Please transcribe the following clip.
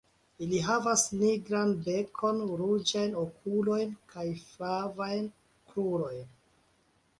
Ili havas nigran bekon, ruĝajn okulojn kaj flavajn krurojn.